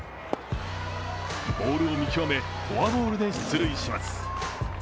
ボールを見極め、フォアボールで出塁します。